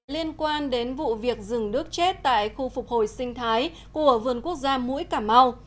liên quan đến vụ việc rừng nước chết tại khu phục hồi sinh thái của vườn quốc gia mũi cảm mau